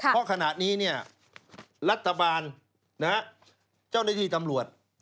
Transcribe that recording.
เพราะขณะนี้เนี่ยรัฐบาลเจ้าหน้าที่ตำรวจ